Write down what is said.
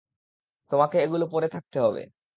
তোমাকে এগুলো পরে থাকতে হবে!